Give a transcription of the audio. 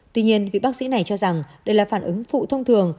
tuy nhiên vị bác sĩ này cho rằng đây là phản ứng phụ thông thường